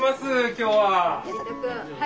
今日は。